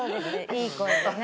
いい声でね。